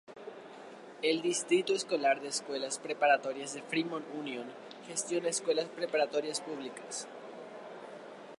El Distrito Escolar de Escuelas Preparatorias de Fremont Union gestiona escuelas preparatorias públicas.